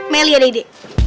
melia ada ide